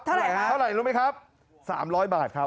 เท่าไหร่ฮะเท่าไหร่รู้ไหมครับ๓๐๐บาทครับ